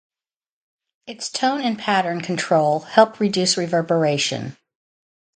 Its tone and pattern control helped reduce reverberation.